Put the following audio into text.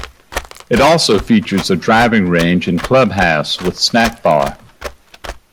It also features a driving range and clubhouse with snack bar.